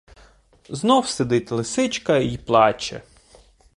Знов сидить лисичка й плаче.